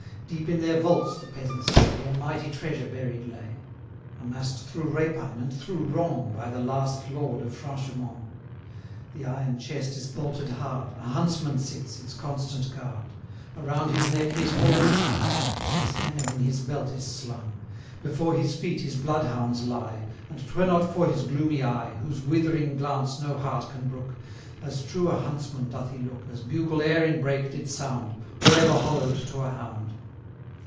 Deep in their vaults, the peasants say, A mighty treasure buried lay, Amass'd through rapine and through wrong By the last Lord of Franchemont. 175 The iron chest is bolted hard, A Huntsman sits, its constant guard; Around his neck his horn is hung, His hanger in his belt is slung; Before his feet his blood hounds lie: 180 An 'twere not for his gloomy eye, Whose withering glance no heart can brook, As true a huntsman doth he look, As bugle e'er in brake did sound, Or ever hollow'd to a hound.